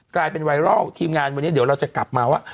กลายเป็นไวรัลทีมงานวันนี้เดี๋ยวเราจะกลับมาว่า